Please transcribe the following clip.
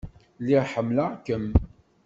Lliɣ ḥemmleɣ-kem.